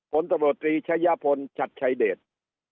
คนตะโบตรีชะยะพลชัดชัยเดช